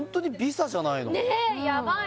やばい